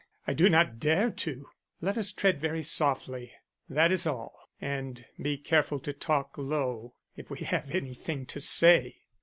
I do not dare to. Let us tread very softly, that is all, and be careful to talk low, if we have anything to say."